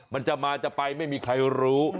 มันจะมาจะไปไม่มีใครรู้